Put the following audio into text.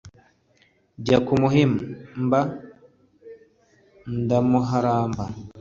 njya kumuhimba ndamuharamba,